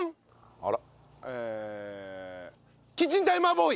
あら。